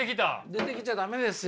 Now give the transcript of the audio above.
出てきちゃ駄目ですよ。